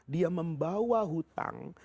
dia membawa hutang